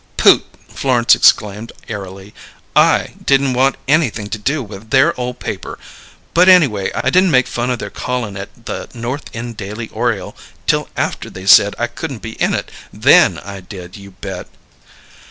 "Poot!" Florence exclaimed airily. "I didn't want anything to do with their ole paper. But anyway I didn't make fun o' their callin' it 'The North End Daily Oriole' till after they said I couldn't be in it. Then I did, you bet!"